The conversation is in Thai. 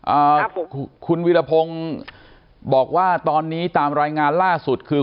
อ่าคุณวิรพงศ์บอกว่าตอนนี้ตามรายงานล่าสุดคือ